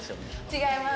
違います。